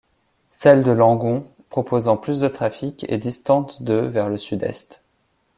Celle de Langon, proposant plus de trafic, est distante de vers le sud-est.